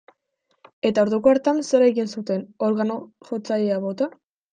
Eta orduko hartan zer egin zuten, organo-jotzailea bota?